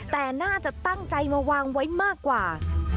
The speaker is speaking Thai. แต่น่าจะตั้งใจมาวางไว้มากกว่า